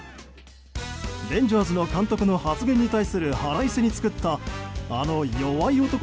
レンジャーズの監督の発言に対する腹いせに作ったあの「弱い男」